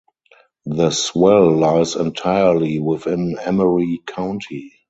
The swell lies entirely within Emery County.